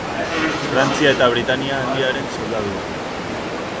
Frantzia eta Britainia Handiaren soldaduak.